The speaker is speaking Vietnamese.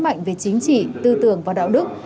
mạnh về chính trị tư tưởng và đạo đức